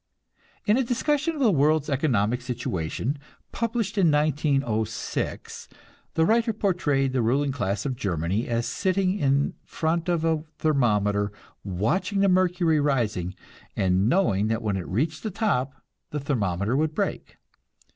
In a discussion of the world's economic situation, published in 1906, the writer portrayed the ruling class of Germany as sitting in front of a thermometer, watching the mercury rising, and knowing that when it reached the top, the thermometer would break.